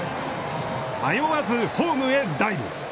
迷わずホームへダイブ！